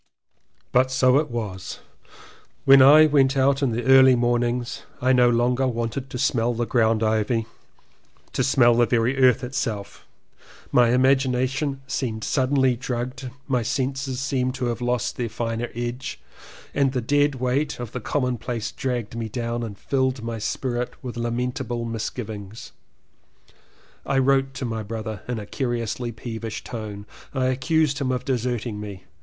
But so it was. When I went out in the early mornings, I no longer wanted to smell ground ivy, to smell the very earth itself, my imagination seemed suddenly drugged, my senses seemed to have lost their finer edge and the dead weight of the commonplace dragged me down and filled my spirit with lamentable misgivings. I wrote to my brother in a curiously peevish tone. I accused him of deserting me.